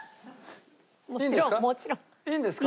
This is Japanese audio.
いいんですか？